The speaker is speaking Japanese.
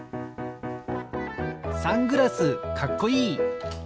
サングラスかっこいい！